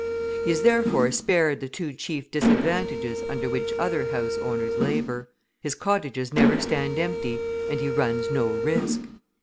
He is therefore spared the two chief disadvantages under which other house owners labour; his cottages never stand empty, and he runs no risk.